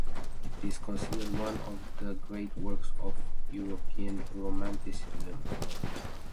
It is considered one of the great works of European Romanticism.